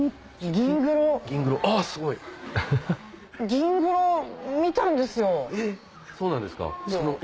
ギングロ見たんですよ。